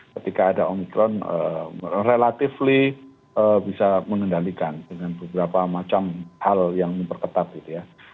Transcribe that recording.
ketika ada omicron relatifly bisa menendalikan dengan beberapa macam hal yang memperketat